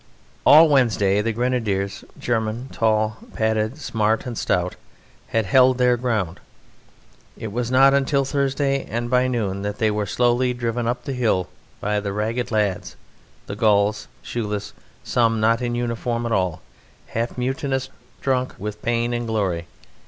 All Wednesday the Grenadiers, German, tall, padded, smart, and stout, had held their ground. It was not until Thursday, and by noon, that they were slowly driven up the hill by the ragged lads, the Gauls, shoeless, some not in uniform at all, half mutinous, drunk with pain and glory.